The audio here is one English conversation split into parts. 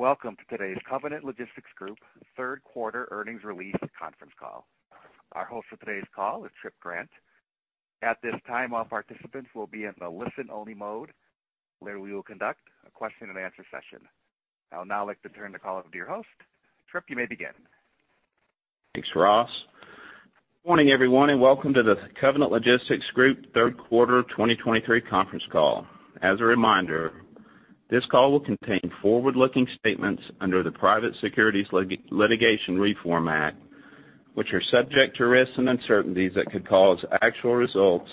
Welcome to today's Covenant Logistics Group third quarter earnings release conference call. Our host for today's call is Tripp Grant. At this time, all participants will be in a listen-only mode, where we will conduct a question-and-answer session. I would now like to turn the call over to your host. Tripp, you may begin. Thanks, Ross. Good morning, everyone, and welcome to the Covenant Logistics Group third quarter 2023 conference call. As a reminder, this call will contain forward-looking statements under the Private Securities Litigation Reform Act, which are subject to risks and uncertainties that could cause actual results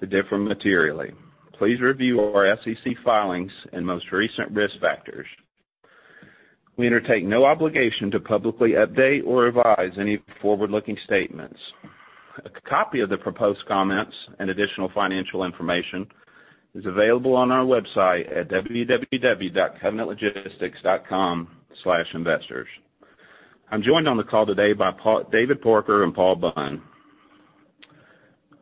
to differ materially. Please review our SEC filings and most recent risk factors. We undertake no obligation to publicly update or revise any forward-looking statements. A copy of the proposed comments and additional financial information is available on our website at www.covenantlogistics.com/investors. I'm joined on the call today by Paul-- David Parker and Paul Bunn.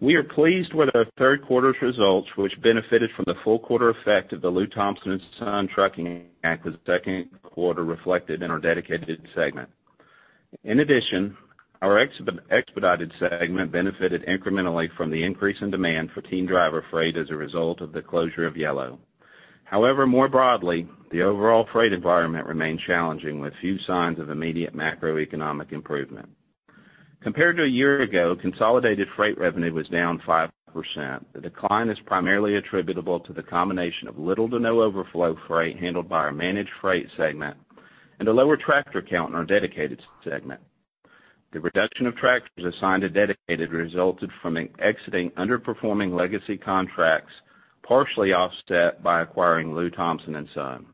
We are pleased with our third quarter's results, which benefited from the full quarter effect of the Lew Thompson & Son Trucking the second quarter reflected in our dedicated segment. In addition, our expedited segment benefited incrementally from the increase in demand for team driver freight as a result of the closure of Yellow. However, more broadly, the overall freight environment remained challenging, with few signs of immediate macroeconomic improvement. Compared to a year ago, consolidated freight revenue was down 5%. The decline is primarily attributable to the combination of little to no overflow freight handled by our Managed Freight segment and a lower tractor count in our Dedicated segment. The reduction of tractors assigned to dedicated resulted from exiting underperforming legacy contracts, partially offset by acquiring Lew Thompson & Son.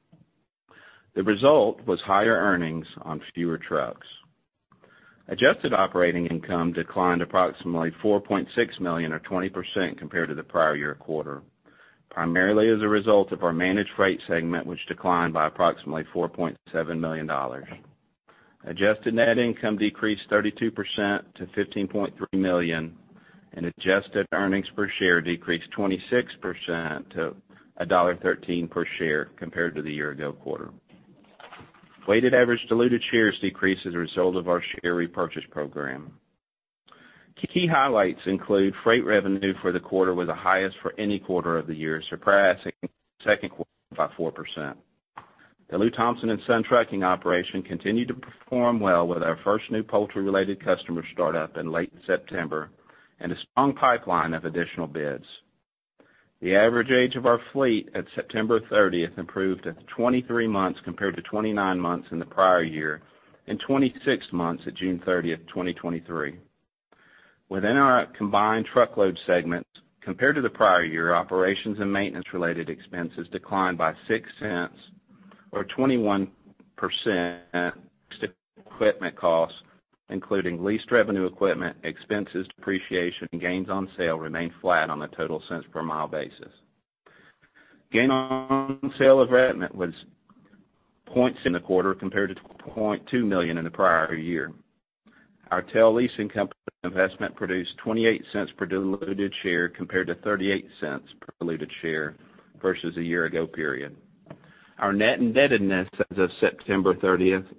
The result was higher earnings on fewer trucks. Adjusted operating income declined approximately $4.6 million, or 20% compared to the prior year quarter, primarily as a result of our Managed Freight segment, which declined by approximately $4.7 million. Adjusted net income decreased 32% to $15.3 million, and adjusted earnings per share decreased 26% to $1.13 per share compared to the year-ago quarter. Weighted average diluted shares decreased as a result of our share repurchase program. Key highlights include freight revenue for the quarter was the highest for any quarter of the year, surpassing the second quarter by 4%. The Lew Thompson & Son Trucking operation continued to perform well with our first new poultry-related customer start-up in late September and a strong pipeline of additional bids. The average age of our fleet at September 30th, 2023 improved to 23 months, compared to 29 months in the prior year, and 26 months at June 30th, 2023. Within our Combined Truckload segment, compared to the prior year, operations and maintenance-related expenses declined by $0.06, or 21%. Equipment costs, including leased revenue equipment, expenses, depreciation, and gains on sale, remained flat on a total cents per mile basis. Gain on sale of revenue equipment was in the quarter, compared to $0.2 million in the prior year. Our TEL leasing company investment produced $0.28 per diluted share, compared to $0.38 per diluted share versus a year ago period. Our net indebtedness as of September 30th, 2023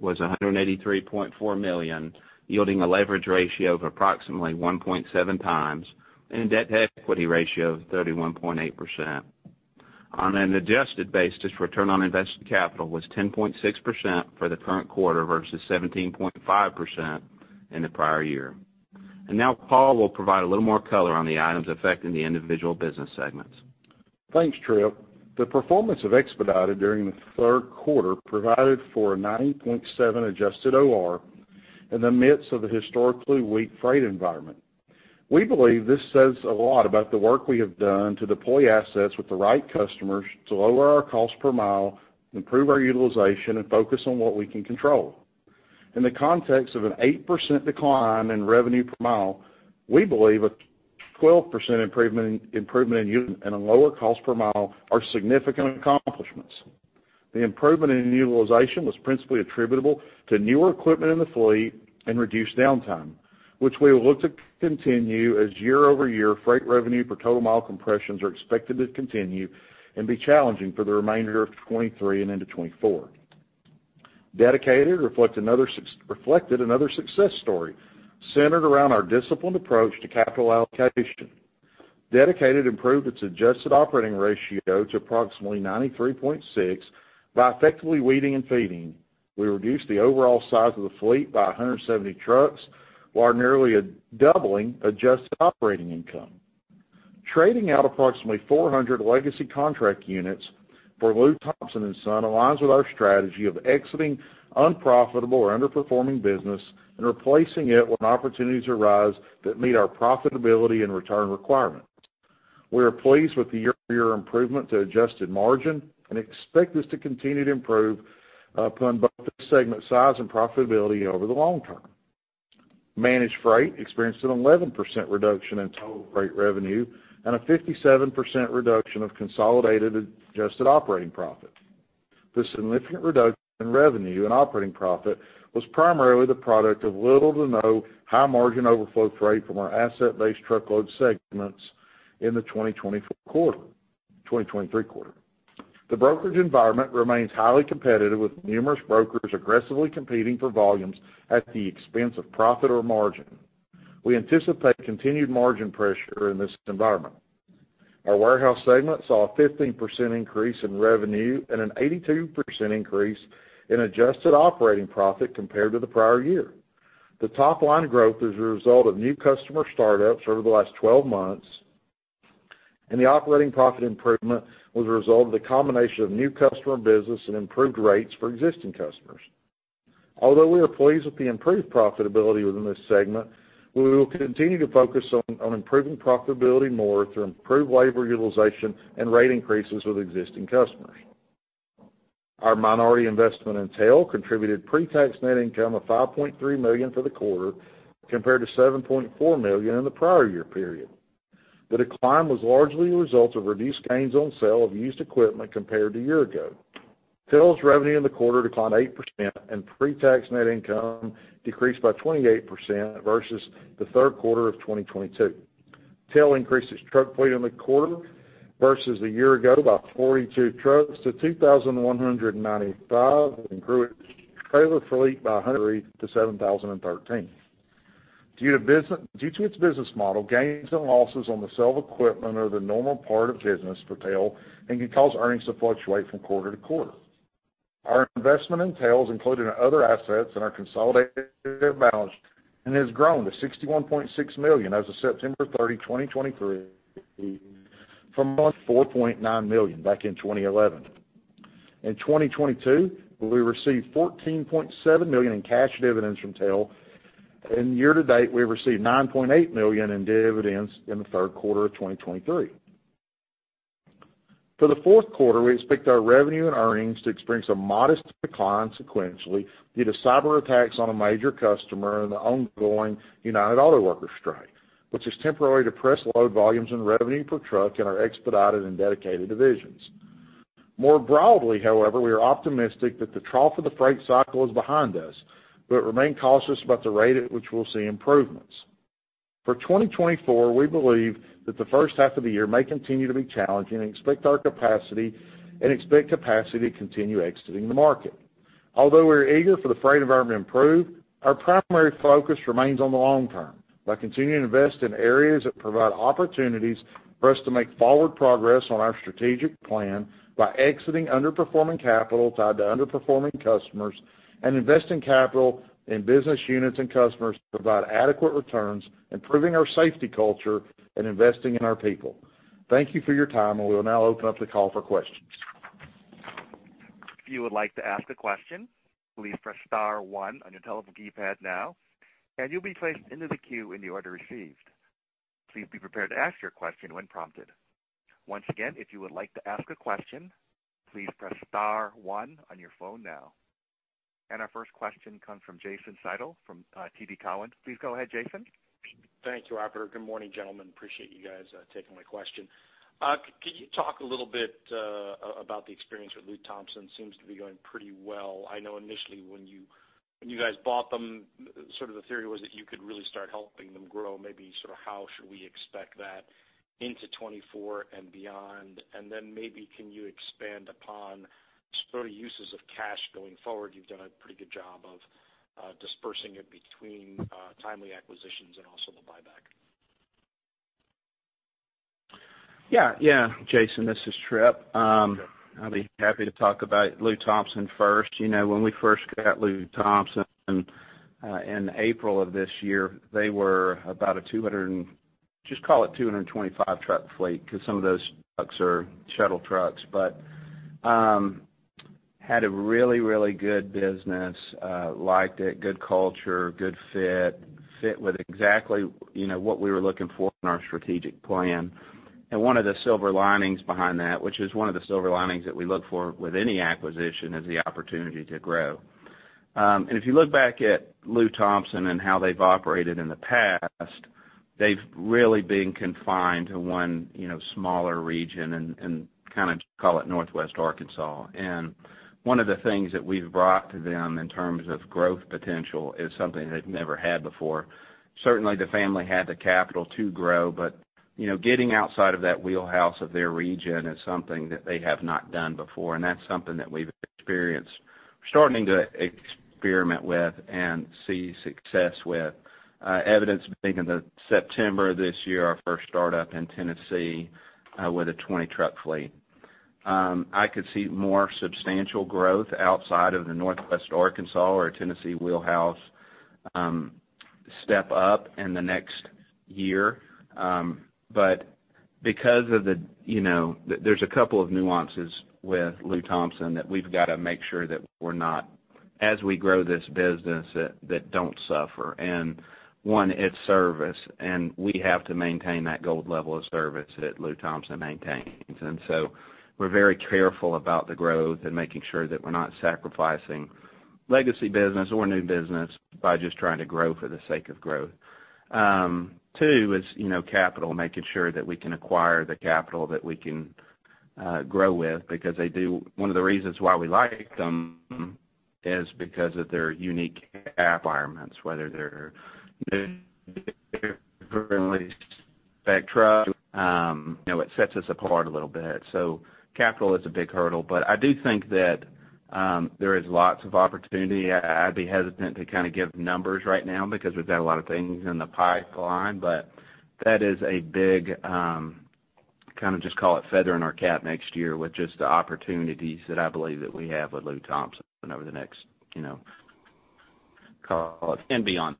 was $183.4 million, yielding a leverage ratio of approximately 1.7x and a debt-to-equity ratio of 31.8%. On an adjusted basis, return on invested capital was 10.6% for the current quarter versus 17.5% in the prior year. Now Paul will provide a little more color on the items affecting the individual business segments. Thanks, Tripp. The performance of Expedited during the third quarter provided for a 9.7 adjusted OR in the midst of a historically weak freight environment. We believe this says a lot about the work we have done to deploy assets with the right customers to lower our cost per mile, improve our utilization, and focus on what we can control. In the context of an 8% decline in revenue per mile, we believe a 12% improvement in utilization and a lower cost per mile are significant accomplishments. The improvement in utilization was principally attributable to newer equipment in the fleet and reduced downtime, which we will look to continue as year-over-year freight revenue per total mile compressions are expected to continue and be challenging for the remainder of 2023 and into 2024. Dedicated reflected another success story centered around our disciplined approach to capital allocation. Dedicated improved its adjusted operating ratio to approximately 93.6 by effectively weeding and feeding. We reduced the overall size of the fleet by 170 trucks, while nearly doubling adjusted operating income. Trading out approximately 400 legacy contract units for Lew Thompson & Son aligns with our strategy of exiting unprofitable or underperforming business and replacing it when opportunities arise that meet our profitability and return requirements. We are pleased with the year-over-year improvement to adjusted margin and expect this to continue to improve upon both the segment size and profitability over the long term. Managed Freight experienced an 11% reduction in total freight revenue and a 57% reduction of consolidated adjusted operating profit. This significant reduction in revenue and operating profit was primarily the product of little to no high-margin overflow freight from our asset-based truckload segments in the 2024 quarter, 2023 quarter. The brokerage environment remains highly competitive, with numerous brokers aggressively competing for volumes at the expense of profit or margin. We anticipate continued margin pressure in this environment. Our Warehouse segment saw a 15% increase in revenue and an 82% increase in adjusted operating profit compared to the prior year. The top line growth is a result of new customer startups over the last 12 months, and the operating profit improvement was a result of the combination of new customer business and improved rates for existing customers. Although we are pleased with the improved profitability within this segment, we will continue to focus on improving profitability more through improved labor utilization and rate increases with existing customers. Our minority investment in TEL contributed pre-tax net income of $5.3 million for the quarter, compared to $7.4 million in the prior year period. The decline was largely the result of reduced gains on sale of used equipment compared to a year ago. TEL's revenue in the quarter declined 8% and pre-tax net income decreased by 28% versus the third quarter of 2022. TEL increased its truck fleet in the quarter versus a year ago, by 42 trucks to 2,195, and grew its trailer fleet by 100 to 7,013. Due to its business model, gains and losses on the sale of equipment are the normal part of business for TEL and can cause earnings to fluctuate from quarter to quarter. Our investment in TEL is included in other assets in our consolidated balance sheet and has grown to $61.6 million as of September 30th, 2023, from $4.9 million back in 2011. In 2022, we received $14.7 million in cash dividends from TEL, and year-to-date, we received $9.8 million in dividends in the third quarter of 2023. For the fourth quarter, we expect our revenue and earnings to experience a modest decline sequentially due to cyber attacks on a major customer and the ongoing United Auto Workers strike, which has temporarily depressed load volumes and revenue per truck in our Expedited and Dedicated divisions. More broadly, however, we are optimistic that the trough of the freight cycle is behind us, but remain cautious about the rate at which we'll see improvements. For 2024, we believe that the first half of the year may continue to be challenging, and expect capacity to continue exiting the market. Although we're eager for the freight environment to improve, our primary focus remains on the long term, by continuing to invest in areas that provide opportunities for us to make forward progress on our strategic plan, by exiting underperforming capital tied to underperforming customers, and investing capital in business units and customers to provide adequate returns, improving our safety culture and investing in our people. Thank you for your time, and we will now open up the call for questions. If you would like to ask a question, please press star one on your telephone keypad now, and you'll be placed into the queue in the order received. Please be prepared to ask your question when prompted. Once again, if you would like to ask a question, please press star one on your phone now. Our first question comes from Jason Seidl from TD Cowen. Please go ahead, Jason. Thank you, operator. Good morning, gentlemen. Appreciate you guys taking my question. Could you talk a little bit about the experience with Lew Thompson? Seems to be going pretty well. I know initially when you guys bought them, sort of the theory was that you could really start helping them grow. Maybe sort of how should we expect that into 2024 and beyond? And then maybe can you expand upon sort of uses of cash going forward? You've done a pretty good job of dispersing it between timely acquisitions and also the buyback. Yeah, yeah, Jason, this is Tripp. I'll be happy to talk about Lew Thompson first. You know, when we first got Lew Thompson, in April of this year, they were about a 225-truck fleet, because some of those trucks are shuttle trucks. But, had a really, really good business, liked it, good culture, good fit, fit with exactly, you know, what we were looking for in our strategic plan. And one of the silver linings behind that, which is one of the silver linings that we look for with any acquisition, is the opportunity to grow. And if you look back at Lew Thompson and how they've operated in the past, they've really been confined to one, you know, smaller region and, kind of call it Northwest Arkansas. One of the things that we've brought to them in terms of growth potential is something they've never had before. Certainly, the family had the capital to grow, but, you know, getting outside of that wheelhouse of their region is something that they have not done before, and that's something that we've experienced starting to experiment with and see success with. Evidence being in September this year, our first startup in Tennessee, with a 20-truck fleet. I could see more substantial growth outside of the Northwest Arkansas or Tennessee wheelhouse, step up in the next year. But because of the, you know, there's a couple of nuances with Lew Thompson that we've got to make sure that we're not, as we grow this business, that don't suffer. One, it's service, and we have to maintain that gold level of service that Lew Thompson maintains. And so we're very careful about the growth and making sure that we're not sacrificing legacy business or new business by just trying to grow for the sake of growth. Two is, you know, capital, making sure that we can acquire the capital, that we can grow with because they do. One of the reasons why we like them is because of their unique environments, whether they're new, spectrum, you know, it sets us apart a little bit. So capital is a big hurdle, but I do think that, there is lots of opportunity. I'd be hesitant to kind of give numbers right now because we've got a lot of things in the pipeline. But that is a big, kind of just call it feather in our cap next year with just the opportunities that I believe that we have with Lew Thompson over the next, you know, call it and beyond.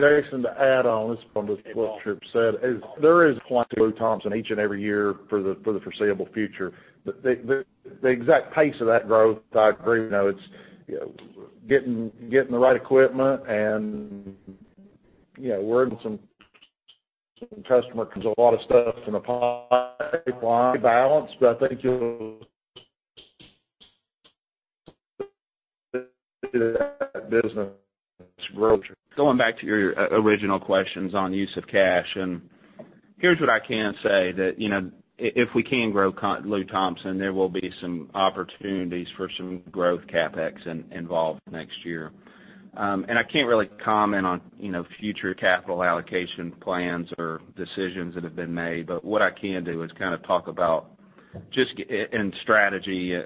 Jason, to add on, this is what Tripp said, there is Lew Thompson each and every year for the foreseeable future. But the exact pace of that growth, I agree, you know, it's, you know, getting the right equipment and, you know, we're some customer, there's a lot of stuff in the pipeline, business growth. Going back to your original questions on use of cash, and here's what I can say, that, you know, if we can grow Lew Thompson, there will be some opportunities for some growth CapEx involved next year. And I can't really comment on, you know, future capital allocation plans or decisions that have been made, but what I can do is kind of talk about just in strategy.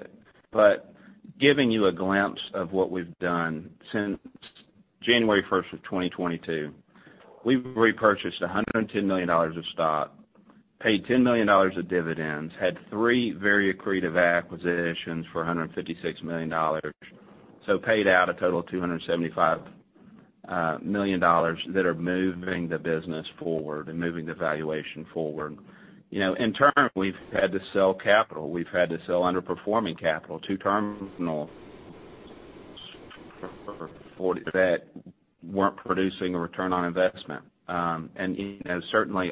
But giving you a glimpse of what we've done since January 1st, 2022, we've repurchased $110 million of stock, paid $10 million of dividends, had three very accretive acquisitions for $156 million. So paid out a total of $275 million that are moving the business forward and moving the valuation forward. You know, in turn, we've had to sell capital. We've had to sell underperforming capital, two terminals that weren't producing a return on investment. And, you know, certainly,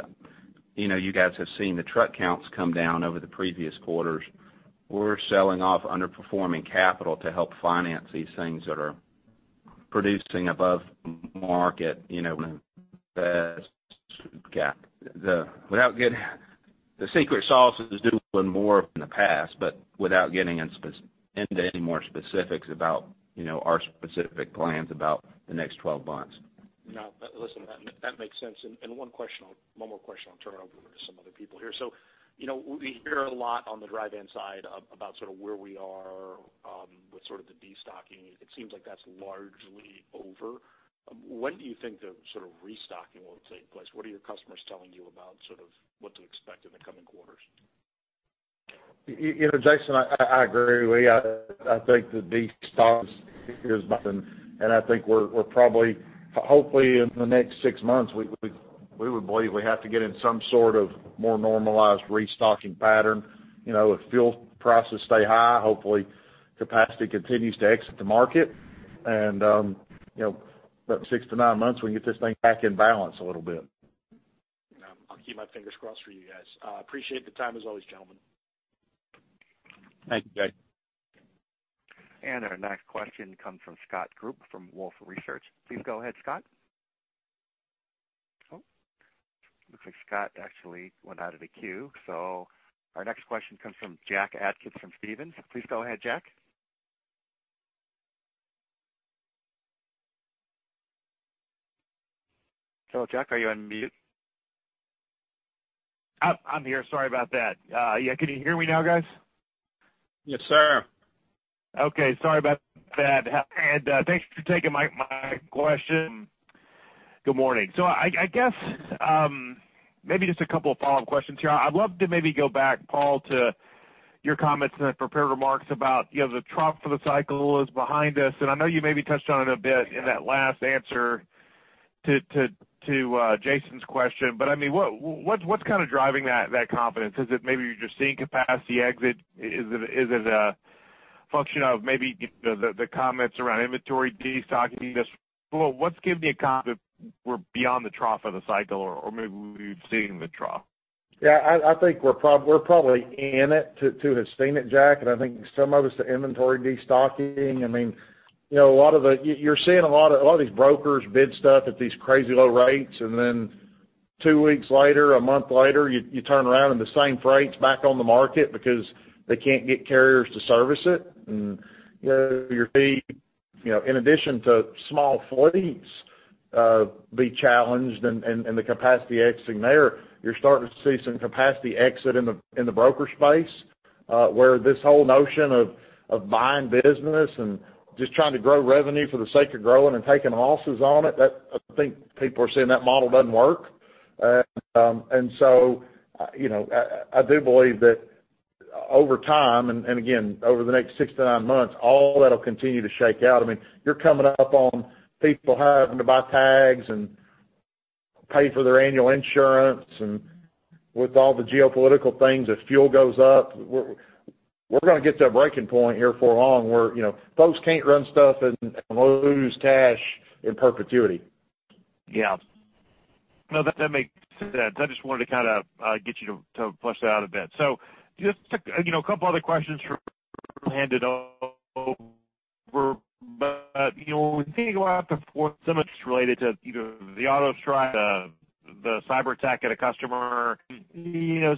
you know, you guys have seen the truck counts come down over the previous quarters. We're selling off underperforming capital to help finance these things that are producing above market, you know, the cap. The secret sauce is doing more in the past, but without getting into any more specifics about, you know, our specific plans about the next 12 months. No, but listen, that, that makes sense. And, and one question, one more question, I'll turn it over to some other people here. So, you know, we hear a lot on the dry van side about sort of where we are with sort of the destocking. It seems like that's largely over. When do you think the sort of restocking will take place? What are your customers telling you about sort of what to expect in the coming quarters? You know, Jason, I agree with you. I think the destock is nothing, and I think we're probably... hopefully, in the next six months, we would believe we have to get in some sort of more normalized restocking pattern. You know, if fuel prices stay high, hopefully capacity continues to exit the market and, you know, about six to nine months, we can get this thing back in balance a little bit. I'll keep my fingers crossed for you guys. Appreciate the time, as always, gentlemen. Thank you, Jason. Our next question comes from Scott Group, from Wolfe Research. Please go ahead, Scott. Oh, looks like Scott actually went out of the queue, so our next question comes from Jack Atkins from Stephens. Please go ahead, Jack. Hello, Jack, are you on mute? I'm here. Sorry about that. Yeah, can you hear me now, guys? Yes, sir. Okay. Sorry about that. And, thanks for taking my question. Good morning. So I guess, maybe just a couple of follow-up questions here. I'd love to maybe go back, Paul, to your comments and prepared remarks about, you know, the trough for the cycle is behind us, and I know you maybe touched on it a bit in that last answer to Jason's question, but I mean, what's kind of driving that confidence? Is it maybe you're just seeing capacity exit? Is it a function of maybe the comments around inventory destocking? Well, what's giving you confidence we're beyond the trough of the cycle, or maybe we've seen the trough? Yeah, I think we're probably in it too, to have seen it, Jack, and I think some of it's the inventory destocking. I mean, you know, a lot of the... You're seeing a lot of these brokers bid stuff at these crazy low rates, and then two weeks later, a month later, you turn around and the same freight's back on the market because they can't get carriers to service it. And, you know, your fee, you know, in addition to small fleets, be challenged and the capacity exiting there, you're starting to see some capacity exit in the broker space, where this whole notion of buying business and just trying to grow revenue for the sake of growing and taking losses on it, I think people are seeing that model doesn't work. So, you know, I do believe that over time, and again, over the next six to nine months, all that'll continue to shake out. I mean, you're coming up on people having to buy tags and pay for their annual insurance, and with all the geopolitical things, if fuel goes up, we're gonna get to a breaking point here before long, where, you know, folks can't run stuff and lose cash in perpetuity. Yeah. No, that, that makes sense. I just wanted to kind of get you to, to flesh it out a bit. So just, you know, a couple other questions for—handed over, but, you know, when we think about the fourth, some related to either the auto strike, the, the cyberattack at a customer, you know,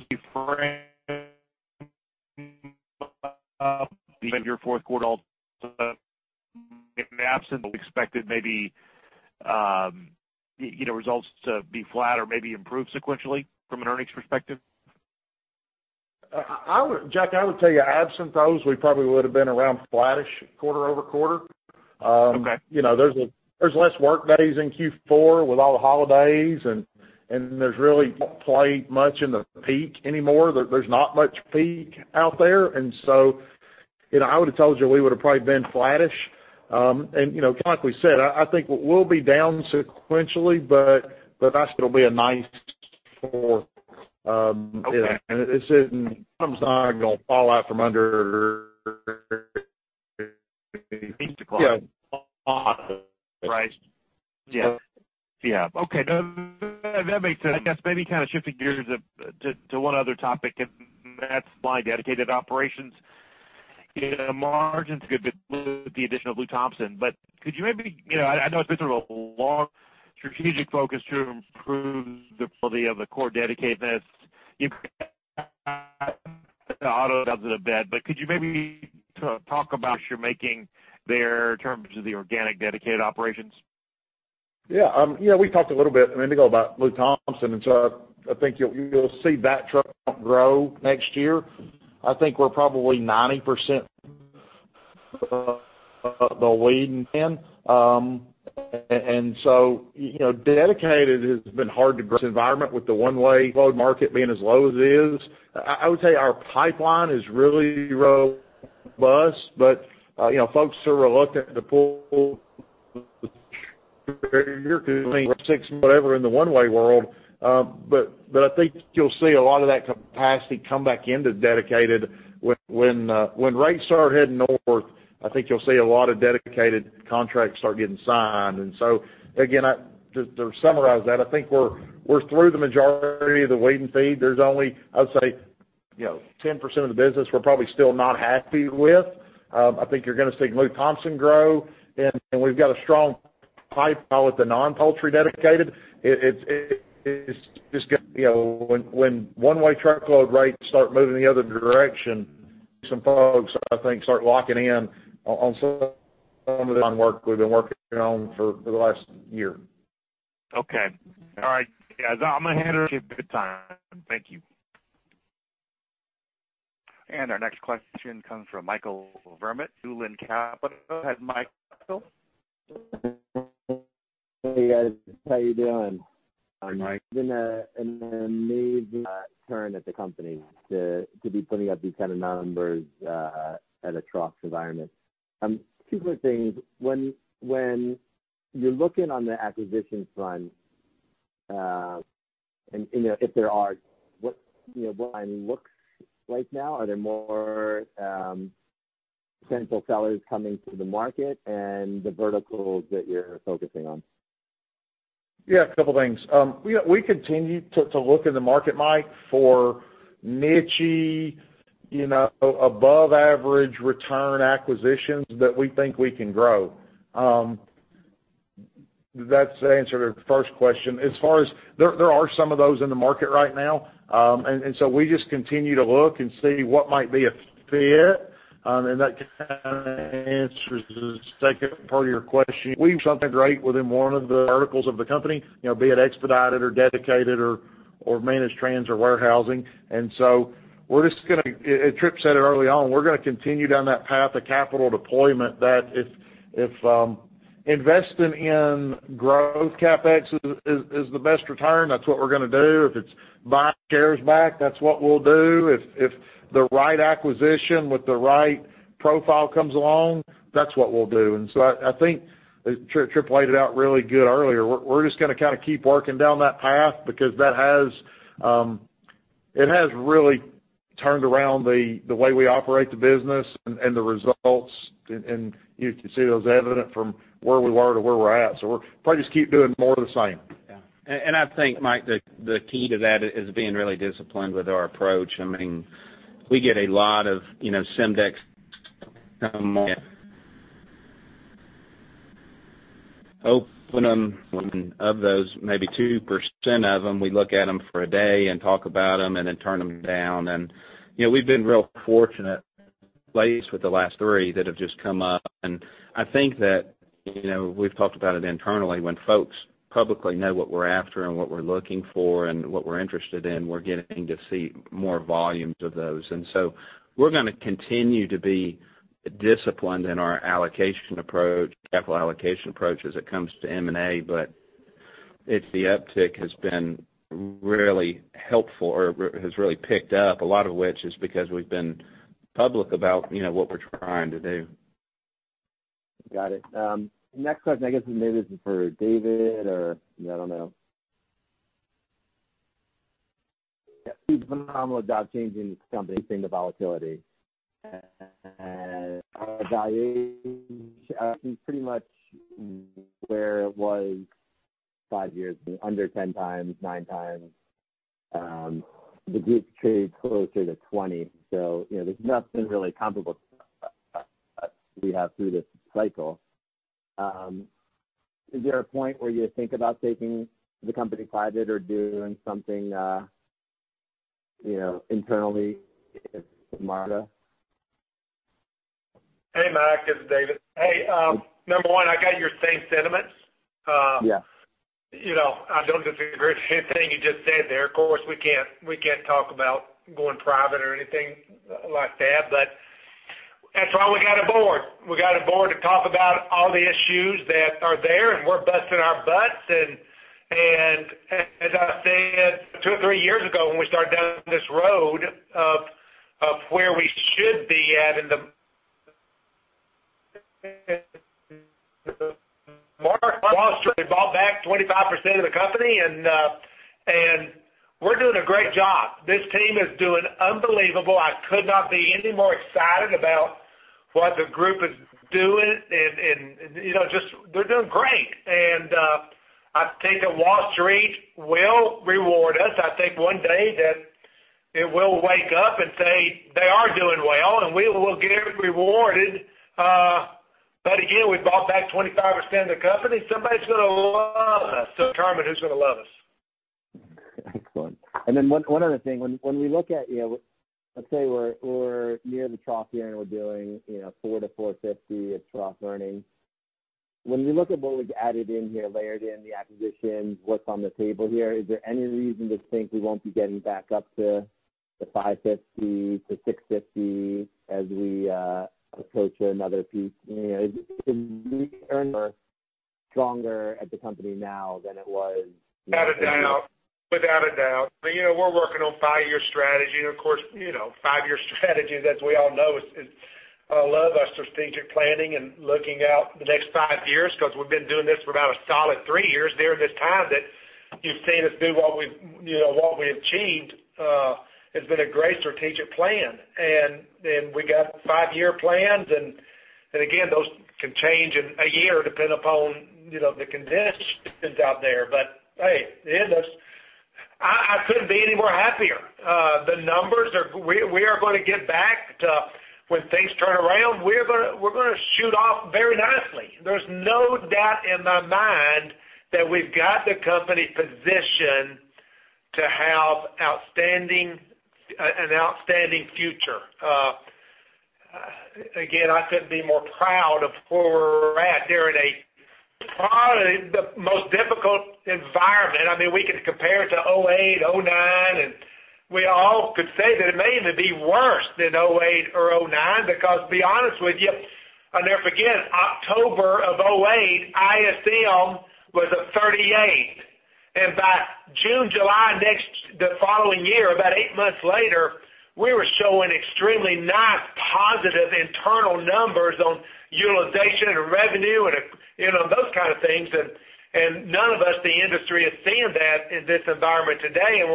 before your fourth quarter all absent, but we expected maybe, you know, results to be flat or maybe improve sequentially from an earnings perspective? Jack, I would tell you, absent those, we probably would have been around flattish quarter-over-quarter. Okay. You know, there's less work days in Q4 with all the holidays, and there's really not quite much in the peak anymore. There's not much peak out there. And so, you know, I would have told you we would have probably been flattish. And, you know, like we said, I think we'll be down sequentially, but I think it'll be a nice for. Okay. It's not gonna fall out from under Right. Yeah. Yeah. Okay, that makes sense. I guess maybe kind of shifting gears to one other topic, and that's my Dedicated operations. You know, margins could include the additional Lew Thompson. But could you maybe... You know, I know it's been through a long strategic focus to improve the quality of the core Dedicated business. But could you maybe talk about you're making there in terms of the organic Dedicated operations? Yeah. Yeah, we talked a little bit in Indigo, about Lew Thompson, and so I think you'll see that truck grow next year. I think we're probably 90% the lead in. And so, you know, Dedicated has been hard to grow environment with the one-way load market being as low as it is. I would say our pipeline is really robust, but you know, folks are reluctant to pull whatever in the one-way world. But I think you'll see a lot of that capacity come back into dedicated when rates start heading north. I think you'll see a lot of Dedicated contracts start getting signed. And so, again, just to summarize that, I think we're through the majority of the weed and feed. There's only, I would say, you know, 10% of the business we're probably still not happy with. I think you're gonna see Lew Thompson grow, and we've got a strong pipeline with the non-poultry Dedicated. It is just, you know, when one-way truckload rates start moving the other direction, some folks, I think, start locking in on some work we've been working on for the last year. Okay. All right. Yeah, I'm gonna hand it over to you. Good time. Thank you. Our next question comes from Michael Vermut, Newland Capital. Go ahead, Michael. Hey, guys. How you doing? Hi, Mike. It's been an amazing turn at the company to be putting up these kind of numbers at a trough environment. Two quick things. When you're looking on the acquisition front, and you know if there are what you know what I mean looks like now, are there more potential sellers coming to the market and the verticals that you're focusing on? Yeah, a couple things. We continue to look in the market, Mike, for niche-y, you know, above average return acquisitions that we think we can grow. That's the answer to the first question. As far as... there are some of those in the market right now. And so we just continue to look and see what might be a fit, and that kind of answers the second part of your question. We see something great within one of the areas of the company, you know, be it Expedited or Dedicated or Managed Trans or Warehousing. And so we're just gonna... Tripp said it early on, we're gonna continue down that path of capital deployment, that if investing in growth, CapEx is the best return, that's what we're gonna do. If it's buying shares back, that's what we'll do. If the right acquisition with the right profile comes along, that's what we'll do. And so I think Tripp laid it out really good earlier. We're just gonna kind of keep working down that path because it has really turned around the way we operate the business and the results. And you can see it was evident from where we were to where we're at. So we're probably just keep doing more of the same. Yeah. I think, Mike, the key to that is being really disciplined with our approach. I mean, we get a lot of, you know, CIM decks of those, maybe 2% of them, we look at them for a day and talk about them and then turn them down. You know, we've been real fortunate, at least with the last three, that have just come up. I think that, you know, we've talked about it internally, when folks publicly know what we're after and what we're looking for and what we're interested in, we're getting to see more volumes of those. We're gonna continue to be disciplined in our allocation approach, capital allocation approach as it comes to M&A. But if the uptick has been really helpful or has really picked up, a lot of which is because we've been public about, you know, what we're trying to do. Got it. Next question, I guess this maybe is for David or, I don't know. Yeah, phenomenal job changing the company between the volatility and, valuation, pretty much where it was five years, under 10x, 9x. The group trades closer to 20. So, you know, there's nothing really comparable we have through this cycle. Is there a point where you think about taking the company private or doing something, you know, internally with management? Hey, Mike, it's David. Hey, number one, I got your same sentiments. Yes. You know, I don't disagree with anything you just said there. Of course, we can't, we can't talk about going private or anything like that, but that's why we got a board. We got a board to talk about all the issues that are there, and we're busting our butts. And as I said, two or three years ago, when we started down this road of where we should be at in the Wall Street, bought back 25% of the company, and we're doing a great job. This team is doing unbelievable. I could not be any more excited about what the group is doing and, you know, just, they're doing great. And I think that Wall Street will reward us. I think one day that it will wake up and say, "They are doing well," and we will get rewarded. But again, we bought back 25% of the company. Somebody's gonna love us, determine who's gonna love us. Excellent. And then one, one other thing. When, when we look at, you know, let's say we're, we're near the trough here, and we're doing, you know, $4-$4.50 at trough earnings. When we look at what was added in here, layered in the acquisitions, what's on the table here, is there any reason to think we won't be getting back up to the $5.50-$6.50 as we approach another peak? You know, is the earnings stronger at the company now than it was? Without a doubt. Without a doubt. But, you know, we're working on five-year strategy. Of course, you know, five-year strategy, as we all know, is we love our strategic planning and looking out the next five years, 'cause we've been doing this for about a solid three years during this time that you've seen us do what we've, you know, what we have achieved has been a great strategic plan. And then we got five-year plans, and again, those can change in a year depending upon, you know, the conditions out there. But hey, in this... I couldn't be any more happier. The numbers are—we are gonna get back to when things turn around, we're gonna shoot off very nicely. There's no doubt in my mind that we've got the company positioned to have outstanding, an outstanding future. Again, I couldn't be more proud of where we're at during a probably the most difficult environment. I mean, we could compare it to 2008, 2009, and we all could say that it may even be worse than 2008 or 2009, because to be honest with you, I'll never forget, October of 2008, ISM was at 38, and by June, July next, the following year, about eight months later, we were showing extremely nice, positive internal numbers on utilization and revenue and, you know, those kind of things. And none of us in the industry are seeing that in this environment today. And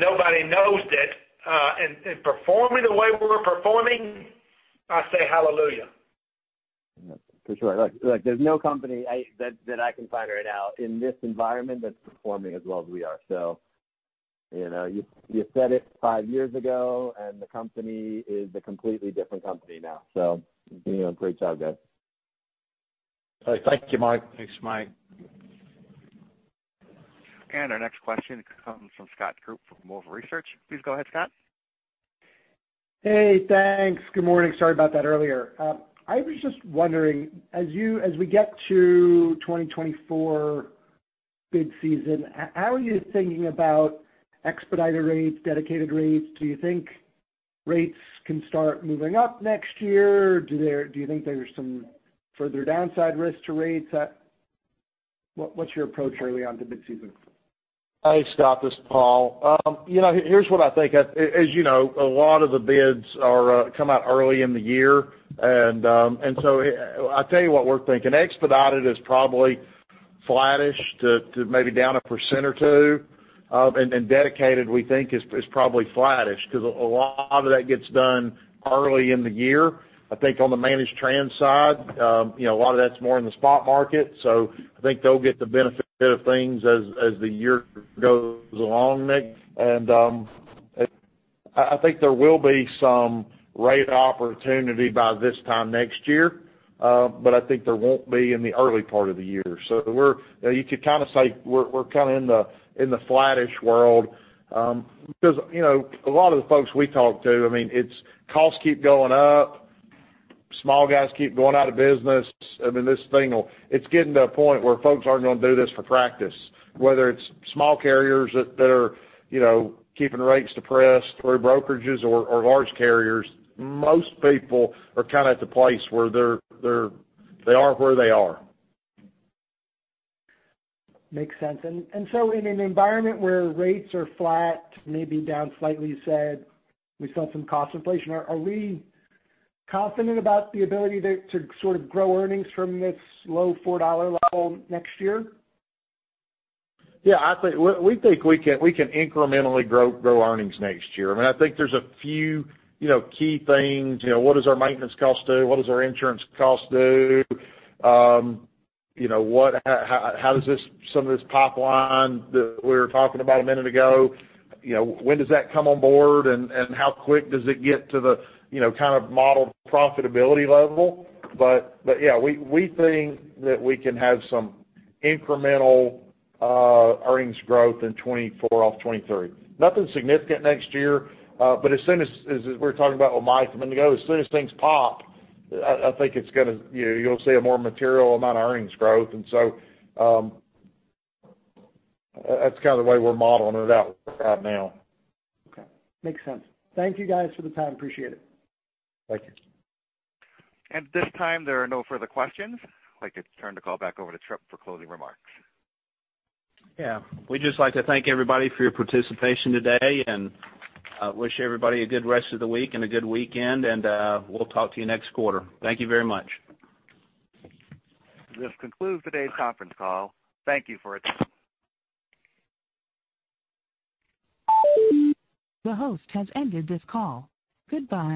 nobody knows it. And performing the way we're performing, I say hallelujah. Yeah, for sure. Look, there's no company that I can find right now in this environment that's performing as well as we are. So, you know, you said it five years ago, and the company is a completely different company now. So, you know, great job, guys. Hey, thank you, Mike. Thanks, Mike. Our next question comes from Scott Group for Wolfe Research. Please go ahead, Scott. Hey, thanks. Good morning. Sorry about that earlier. I was just wondering, as we get to 2024 bid season, how are you thinking about expediter rates, dedicated rates? Do you think rates can start moving up next year, or do you think there's some further downside risk to rates? What's your approach early on to bid season? Hey, Scott, this is Paul. You know, here's what I think. As you know, a lot of the bids come out early in the year, and I tell you what we're thinking. Expedited is probably flattish to maybe down 1% or 2%. Dedicated, we think, is probably flattish, 'cause a lot of that gets done early in the year. I think on the Managed Trans side, you know, a lot of that's more in the spot market, so I think they'll get the benefit of things as the year goes along, Nick. I think there will be some rate opportunity by this time next year, but I think there won't be in the early part of the year. We're... You could kind of say we're kind of in the flattish world. Because, you know, a lot of the folks we talk to, I mean, it's costs keep going up, small guys keep going out of business. I mean, this thing will... It's getting to a point where folks aren't gonna do this for practice, whether it's small carriers that are, you know, keeping rates depressed through brokerages or large carriers. Most people are kind of at the place where they're they are where they are. Makes sense. And so in an environment where rates are flat, maybe down slightly, you said, we saw some cost inflation, are we confident about the ability to sort of grow earnings from this low $4 level next year? Yeah, I think we think we can incrementally grow earnings next year. I mean, I think there's a few, you know, key things. You know, what does our maintenance cost do? What does our insurance cost do? You know, how does some of this pipeline that we were talking about a minute ago, you know, when does that come on board, and how quick does it get to the, you know, kind of modeled profitability level? But yeah, we think that we can have some incremental earnings growth in 2024 off 2023. Nothing significant next year, but as soon as we're talking about with Mike a minute ago, as soon as things pop, I think it's gonna you, you'll see a more material amount of earnings growth. That's kind of the way we're modeling it out now. Okay. Makes sense. Thank you, guys, for the time. Appreciate it. Thank you. At this time, there are no further questions. I'd like to turn the call back over to Tripp for closing remarks. Yeah. We'd just like to thank everybody for your participation today and, wish everybody a good rest of the week and a good weekend, and, we'll talk to you next quarter. Thank you very much. This concludes today's conference call. Thank you for attending.